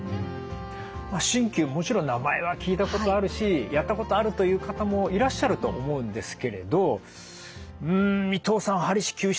もちろん名前は聞いたことあるしやったことあるという方もいらっしゃると思うんですけれどん伊藤さんはり師きゅう師の資格お持ちです。